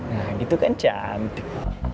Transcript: nah gitu kan cantik